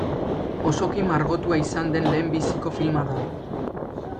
Osoki margotua izan den lehenbiziko filma da.